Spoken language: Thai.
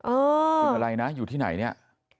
โอ้โหอยู่ไหนเนี่ย